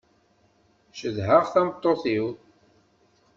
Cedheɣ tameṭṭut-iw.